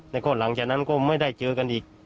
แล้วก็หลังจากนั้นก็ไม่ได้เจอกันอีก